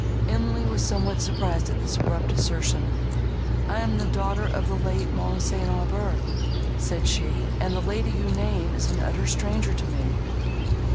Emily was somewhat surprised at this abrupt assertion. "I am the daughter of the late Mons. St. Aubert," said she; "and the lady you name is an utter stranger to me."